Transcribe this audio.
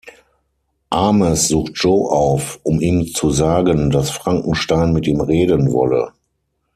Ames sucht Joe auf, um ihm zu sagen, dass Frankenstein mit ihm reden wolle.